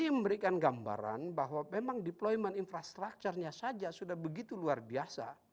ini memberikan gambaran bahwa memang deployment infrastructure nya saja sudah begitu luar biasa